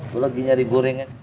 lu lagi cari gorengan